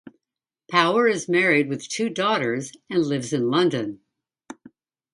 Power is married with two daughters and lives in London.